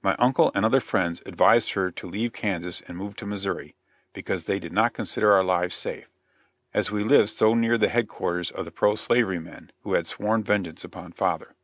My uncle and other friends advised her to leave Kansas and move to Missouri, because they did not consider our lives safe, as we lived so near the headquarters of the pro slavery men, who had sworn vengeance upon father.